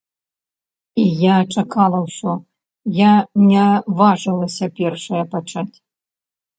І я чакала ўсё, я не важылася першая пачаць.